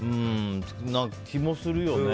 気もするよね。